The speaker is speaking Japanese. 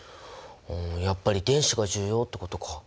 うんやっぱり電子が重要ってことか。